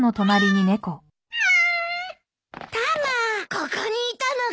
ここにいたのか！